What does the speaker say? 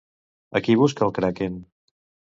A qui busca el Kraken?